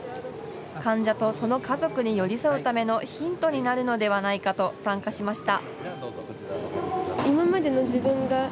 患者とその家族に寄り添うためのヒントになるのではないかと参加しました。